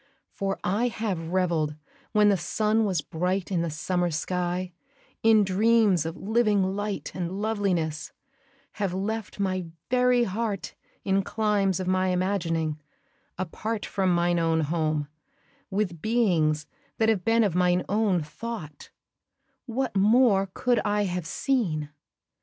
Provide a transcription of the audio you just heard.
For I have revell'd, when the sun was bright I' the summer sky, in dreams of living light And loveliness, have left my very heart In climes of my imagining, apart From mine own home, with beings that have been Of mine own thought what more could I have seen?